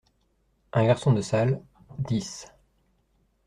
Un garçon de salle : dix.